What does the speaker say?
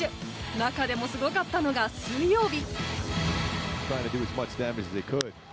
中でもすごかったのが水曜日。